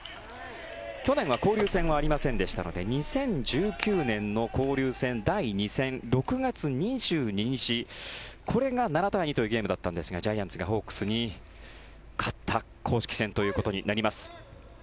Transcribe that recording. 去年は交流戦はありませんでしたので２０１９年の交流戦第２戦６月２２日これが７対２というゲームだったんですがジャイアンツがホークスに勝った公式戦ということになります。